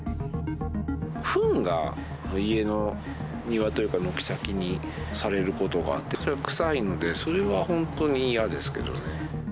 ふんが家の庭というか、軒先にされることがあって、それは臭いので、それは本当に嫌ですけどね。